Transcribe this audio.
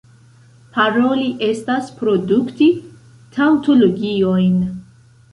Paroli estas produkti taŭtologiojn.